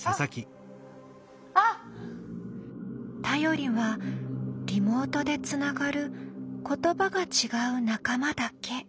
頼りはリモートでつながる言葉が違う仲間だけ。